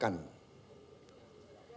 jangan di sini kita untuk cari kaya